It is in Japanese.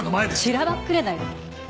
しらばっくれないで。